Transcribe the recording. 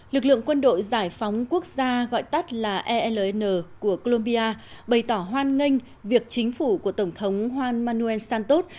lực lượng quân đội giải phóng quốc gia gọi tắt là eln của colombia bày tỏ hoan nghênh việc chính phủ của tổng thống hoan manuel santot